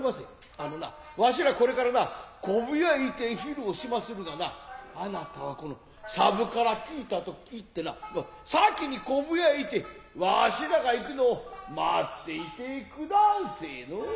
あのな私らこれからな昆布屋行て昼をしまするがなあなたはこの三婦から聞いたと言ってな先きに昆布屋へ行てわしらが行くのを待っていて下んせいのう。